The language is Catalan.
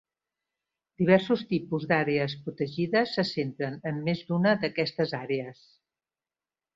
Diversos tipus d'àrees protegides se centren en més d'una d'aquestes àrees.